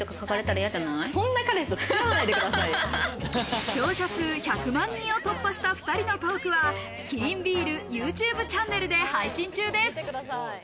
視聴者数１００万人を突破した２人のトークはキリンビールＹｏｕＴｕｂｅチャンネルで配信中です。